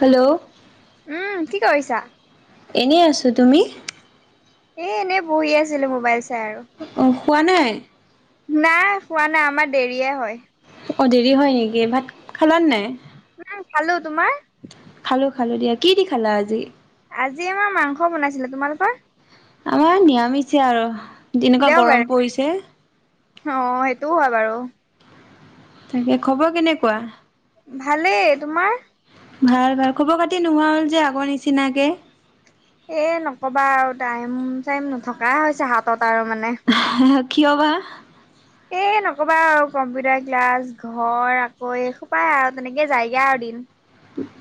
Hello? উম' কি কৰিছা? এনেই আছো তুমি? এ এনে বহি আছিলো মোবাইল চাই আৰু। অঁ শুৱা নাই? নাই শুৱা নাই আমাৰ দেৰিয়ে হয়। অঁ দেৰি হয় নেকি, ভাত খালান নাই? অ' খালো তোমাৰ? খালো খালো দিয়া, কি দি খালা আজি? আজি আমাৰ মাংস বনাইছিলে, তোমালোকৰ? আমাৰ নিৰামিছে আৰু, যেনেকুৱা দেওবাৰে গৰম পৰিছে। অ' সেইটোও হয় বাৰু। তাকে খবৰ কেনেকুৱা? ভালেই তোমাৰ? ভাল ভাল খবৰ খাটি নোহোৱা হ'ল যে আগৰ নিচিনাকে? এ নকবা আৰু টাইম চাইম নথকা হৈছে হাতত আৰু মানে। হা কিয় বা? [unintelligible] এই নক'বা আৰু কম্পিউটাৰ ক্লাছ ঘৰ আকৌ এই খোপায় আৰু তেনেকে যায়গে আৰু দিন।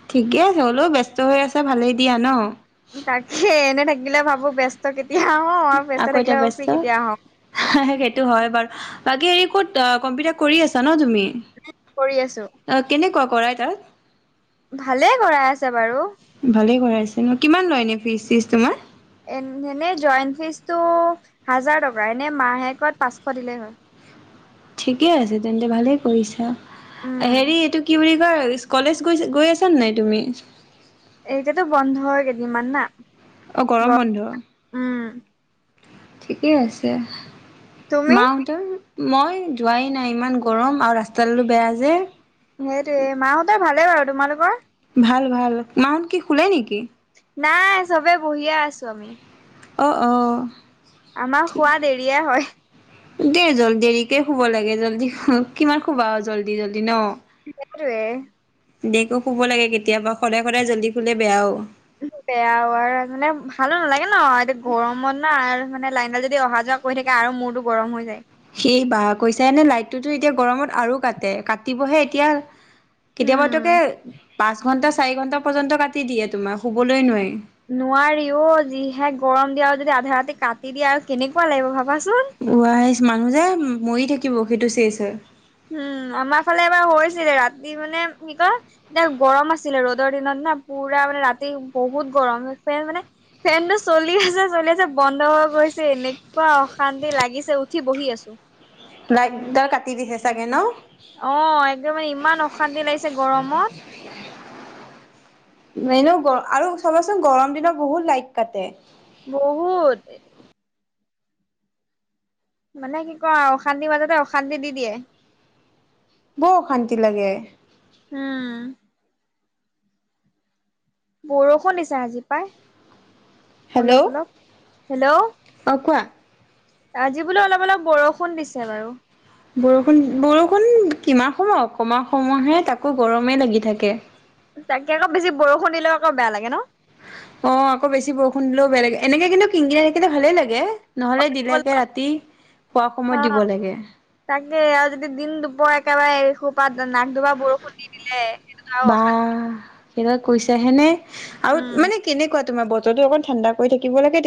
ঠিকে আছে হ'লেও ব্যস্ত হৈ আছা ভালেই দিয়া ন। তাকে এনে থাকিলে ভাবো ব্যস্ত কেতিয়া হও আৰু ব্যস্ত আকৌ থাকিলে এতিয়া ভাবো ফ্ৰী ব্যস্ত কেতিয়া হম। সেইটো হয় বাৰু বাকী হেৰি ক'ত কম্পিউটাৰ কৰি আছা ন তুমি। উম কৰি আছোঁ। অ কেনেকুৱা কৰাই তাত। ভালেই কৰাই আছে বাৰু। ভালেই কৰাইছে ন কিমান লয় এনে ফিজ চিজ তোমাৰ। এ এনেই জইণ্ট ফিজটো হাজাৰ টকা এনেই মাহেকত পাঁচশ দিলেই হয়। ঠিকে আছে তেন্তে ভালেই কৰিছা উম হেৰি এইটো কি বুলি। কই কলেজ গৈ গৈ আছা নে নাই তুমি। এতিয়াতো বন্ধ কেইদিনমান না। অ গৰম বন্ধ উম ঠিকেই আছে। তুমি? মা হতৰ মই যোৱাই নাই ইমান গৰম আৰু ৰাস্তাডালো বেয়া যে। সেইটোৱে মা হঁতৰ ভালেই বাৰু তোমালোকৰ। ভাল ভাল মা হত কি শুলে নেকি? নাই চবে বহিয়ে আছোঁ আমি। অ-অ। আমাৰ শুৱা দেৰিয়ে হয়। দেই জল দেৰিকে শুব লাগে জল্দি কিমান শুবা আৰু জল্দি জলদি ন'? সেইটোৱে। দেকেও শুব লাগে কেতিয়াবা সদায়-সদায় জল্দি শুলে বেয়াও। বেয়াও আৰু মানে ভালো নালাগে ন' এতিয়া গৰমত না আৰু মানে লাইনডাল যদি অহা যোৱা। কৈ থাকে আৰু মূৰটো গৰম হৈ যায়। সেই বা কৈছায়েনে লাইটটোতো এতিয়া গৰমত আৰু কাটে কাটিবহে এতিয়া। কেতিয়াবা তোকে উম পাঁচ ঘন্টা চাৰি ঘন্টা পৰ্যন্ত কাটি দিয়ে তোমাৰ শুবলৈ নোৱাৰি। নোৱাৰি অ', যিহে গৰম দিয়ে আৰু যদি আধা ৰাতি কাটি দিয়ে আৰু কেনেকুৱা লাগিব ভাবাচোন। ৱ আহি মানুহ যে মৰি থাকিব সেইটো চেচ হয়। উম, আমাৰ ফালে এবাৰ হৈছিলে ৰাতি মানে কি কয়। এতিয়া গৰম আছিলে ৰ'দৰ দিনত না পুৰা মানে ৰাতি বহুত গৰম মানে। ফেনটো চলিআছে-চলিআছে বন্ধ হৈ গৈছে এনেকুৱা অশান্তি লাগিছে উঠি বহি আছোঁ। লাইকডাল কাটি দিছে চাগে ন'? অ', একদমে ইমান অশান্তি লাগিছে গৰমত। এনেও গৰ আৰু চাবাচোন গৰম দিনত বহুত লাইট কাটে। বহুত। মানে কি কও আৰু অশান্তিৰ মাজতে অশান্তি দি দিয়ে। বৰ অশান্তি লাগে। উম। বৰষুণ দিছে আজি পাই। হেল্ল' অলপ-অলপ হেল্ল। অ কোৱা? আজি বোলো অলপ-অলপ বৰষুণ দিছে বাৰু। বৰষুণ, বৰষুণ কিমান সময় অকণমান সময়হে তাকো গৰমেই লাগি থাকে। তাকে আক বেছি বৰষুণ দিলেও আক বেয়া লাগে ন'? অ, আকৌ বেছি বৰষুণ দিলেও বেয়া লাগে এনেকে কিন্তু কিনকিনাই থাকিলে ভালেই লাগে। নহলে দিলেকে ৰাতি- শোৱা সময়ত অ দিব লাগে। তাকে আৰু যদি দিন দুপৰ একেবাৰে এ সোপাত নাক দুবা বৰষুণ দি দিলে। আৰু বা, এইদাল কৈছাহেনে অশান্তি আৰু উম মানে কেনেকুৱা তোমাৰ বতৰতো অকণ ঠাণ্ডা কৰি থাকিব লাগে